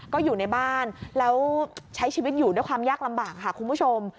ก็อยู่ในบ้านแล้วใช้ชีวิตอยู่ด้วยความยากลำบากค่ะคุณผู้ชม